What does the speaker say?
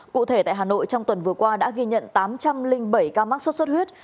cụ thể tại hà nội trong tuần vừa qua đã ghi nhận tám trăm linh bảy ca mắc sốt xuất huyết